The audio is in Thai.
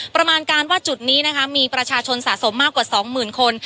ประมาณการว่าจุดนี้นะคะมีประชาชนสะสมมากกว่า๒๐๐๐คน